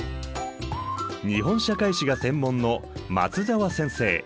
日本社会史が専門の松沢先生。